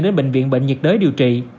đến bệnh viện bệnh nhiệt đới điều trị